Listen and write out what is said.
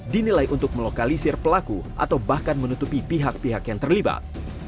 dinilai untuk melokalisir pelaku atau bahkan menutupi pihak pihak yang terlibat